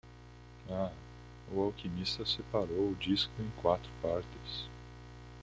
Há? o alquimista separou o disco em quatro partes.